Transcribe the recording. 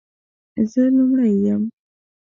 زه لومړۍ یم،